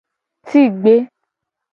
Tigbe.